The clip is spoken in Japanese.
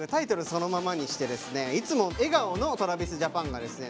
そのままにしてですねいつも笑顔のＴｒａｖｉｓＪａｐａｎがですね